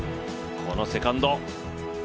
このセカンド。